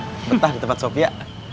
kumaha mama kamu betah di tempat sofia